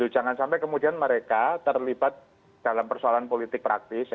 jangan sampai kemudian mereka terlibat dalam persoalan politik praktis